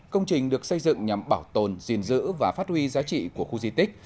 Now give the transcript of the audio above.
công trình được xây dựng nhằm bảo tồn diên dữ và phát huy giá trị của khu di tích